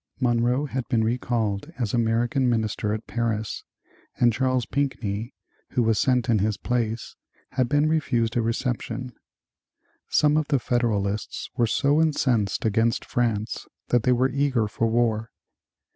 Monroe had been recalled as American Minister at Paris and Charles Pinckney, who was sent in his place, had been refused a reception. Some of the Federalists were so incensed against France that they were eager for war.